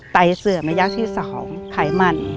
ไตเสื่อมระยะที่๒ไขมัน